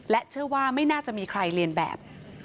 เชื่อว่าไม่น่าจะมีใครเรียนแบบ